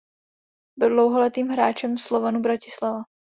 Byl dlouholetým hráčem Slovanu Bratislava.